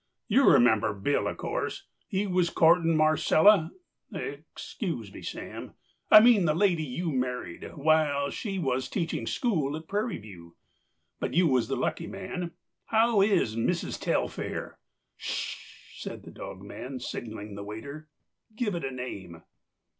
You remember Bill, of course—he was courting Marcella—excuse me, Sam—I mean the lady you married, while she was teaching school at Prairie View. But you was the lucky man. How is Missis Telfair?" "S h h h!" said the dogman, signalling the waiter; "give it a name."